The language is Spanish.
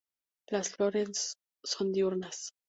Las flores son diurnas.